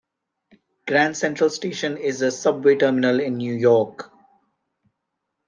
Grand Central Station is a subway terminal in New York.